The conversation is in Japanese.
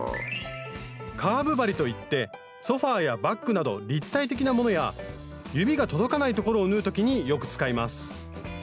カーブ針といってソファーやバッグなど立体的なものや指が届かない所を縫う時によく使います